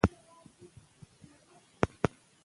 افغانستان له مختلفو ډولونو غوښې څخه ډک دی.